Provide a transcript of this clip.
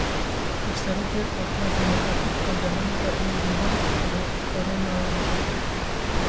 Hevseroka Partiya Demokratîk a Gelan Pervin Buldan bi Coronayê ket.